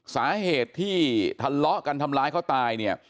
สาเหตุที่ทะเลาะกันทำร้ายเขาตายเนี่ย